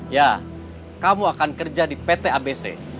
ya kamu akan kerja di pt abc